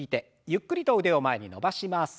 ゆっくりと腕を前に伸ばします。